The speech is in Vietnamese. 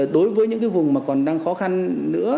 đối với những cái vùng mà còn đang khó khăn nữa